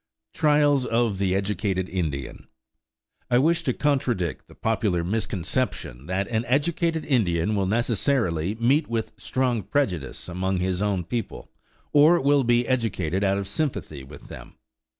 TRIALS OF THE EDUCATED INDIAN I wish to contradict the popular misconception that an educated Indian will necessarily meet with strong prejudice among his own people, or will be educated out of sympathy with them.